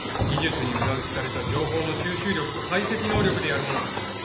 技術に裏打ちされた情報の収集力と解析能力でやるものだ！